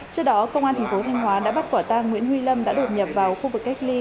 trước đó công an tp thanh hóa đã bắt quả tăng nguyễn huy lâm đã đột nhập vào khu vực cách ly